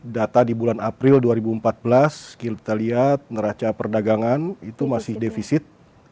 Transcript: data di bulan april dua ribu empat belas kita lihat neraca perdagangan itu masih defisit